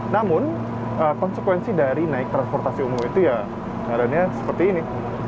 namun konsekuensi dari naik transportasi umum itu ya keadaannya seperti ini